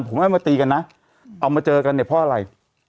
ผมเอามาตีกันนะเอามาเจอกันเนี่ยเพราะอะไร